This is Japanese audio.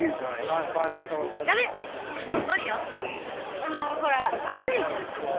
ああほらあぶないじゃん。